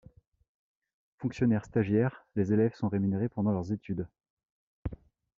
Fonctionnaires stagiaires, les élèves sont rémunérés pendant leurs études.